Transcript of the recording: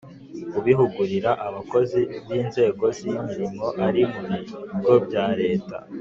kubihugurira abakozi b’inzego z’imirimo ari mu bigo bya leta,